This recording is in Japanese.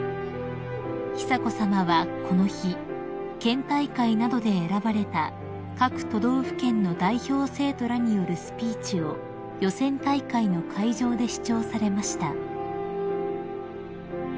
［久子さまはこの日県大会などで選ばれた各都道府県の代表生徒らによるスピーチを予選大会の会場で視聴されました］